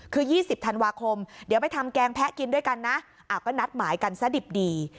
คือ๒๐ธันวาคมเดี๋ยวไปทำแกงแพะกินด้วยกันนะก็นัดหมายกันซะดิบดี